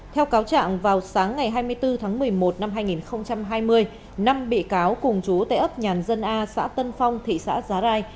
theo cáo trạng vào sáng ngày hai mươi bốn tháng một mươi một năm hai nghìn hai mươi năm bị cáo cùng chú tại ấp nhàn dân a xã tân phong thị xã giá rai